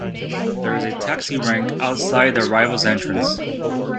There is a taxi rank outside the arrivals entrance.